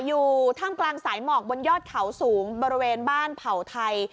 อยู่ท่ามกลางสายหมอกบนยอดเขาสูงบริเวณบ้านเผ่าไทย